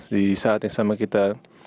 di saat yang sama kita